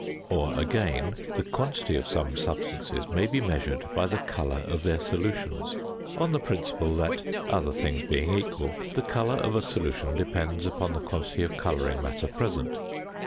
Or, again, the quantity of some substances may be measured by the colour of their solutions, on the principle that, other things being equal, the colour of a solution depends upon the quantity of colouring matter present.